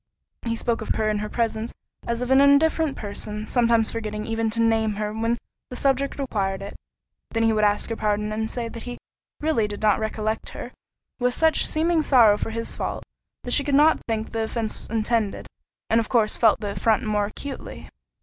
He spoke of her in her presence as of an indifferent person, sometimes forgetting even to name her when the subject required it; then would ask her pardon, and say that he "Really did not recollect her," with such seeming sorrow for his fault, that she could not think the offence intended, and of course felt the affront more acutely.